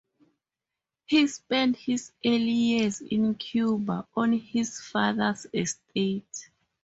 He spent his early years in Cuba on his father's estate.